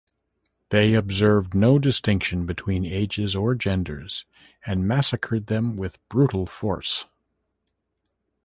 They observed no distinction between ages or genders, and massacred them with brutal force.